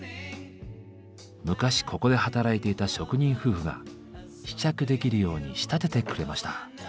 昔ここで働いていた職人夫婦が試着できるように仕立ててくれました。